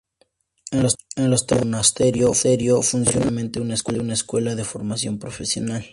En los terrenos del monasterio funciona modernamente una escuela de formación profesional.